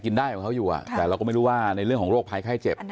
ได้ของเขาอยู่แต่เราก็ไม่รู้ว่าในเรื่องของโรคภัยไข้เจ็บ